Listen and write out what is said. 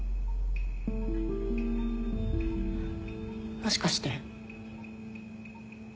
もしかして。